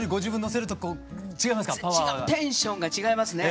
テンションが違いますね。